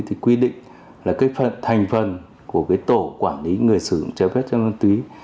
thì quy định là thành phần của tổ quản lý người sử dụng trái phép chất ma túy